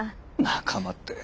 仲間って。